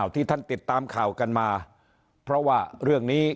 ที่ท่านติดตามข่าวกันมาเพราะว่าเรื่องนี้